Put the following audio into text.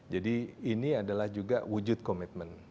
jadi ini adalah juga wujud komitmen